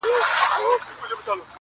درد له کلي نه نه ځي,